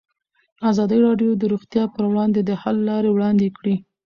ازادي راډیو د روغتیا پر وړاندې د حل لارې وړاندې کړي.